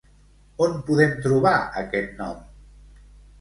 On podem trobar aquest nom?